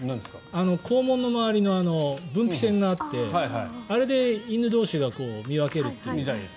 肛門の周りの分泌腺があってあれで犬同士が見分けるという。